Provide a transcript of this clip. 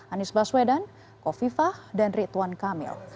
anies baswedan kofifah dan ridwan kamil